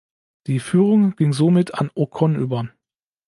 Die Führung ging somit an Ocon über.